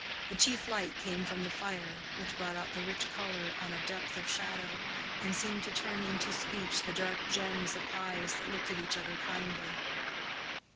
The chief light came from the fire, which brought out the rich color on a depth of shadow, and seemed to turn into speech the dark gems of eyes that looked at each other kindly.